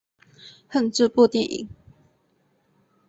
恨这部电影！